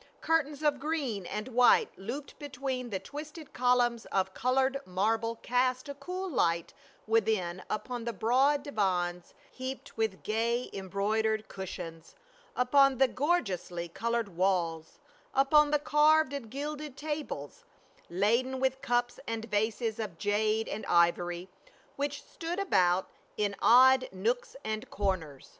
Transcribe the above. Curtains of green and white looped between the twisted columns of colored marble cast a cool light within upon the broad divans heaped with gay embroidered cushions, upon the gorgeously col ored walls, upon the carved and gilded tables, laden with cups and vases of jade and ivory, which stood about in odd nooks and corners.